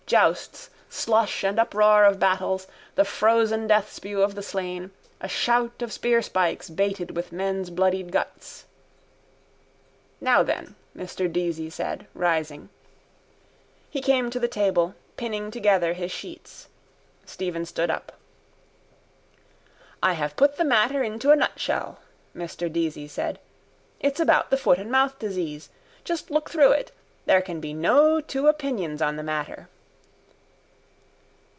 Jousts, slush and uproar of battles, the frozen deathspew of the slain, a shout of spearspikes baited with men's bloodied guts. —Now then, Mr Deasy said, rising. He came to the table, pinning together his sheets. Stephen stood up. —I have put the matter into a nutshell, Mr Deasy said. It's about the foot and mouth disease. Just look through it. There can be no two opinions on the matter.